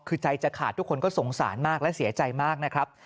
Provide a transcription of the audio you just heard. คือใจจะขาดทุกคนก็สงสารมากและเสียใจมากนะครับ